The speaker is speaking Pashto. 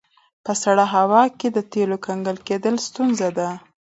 په سړه هوا کې د تیلو کنګل کیدل ستونزه ده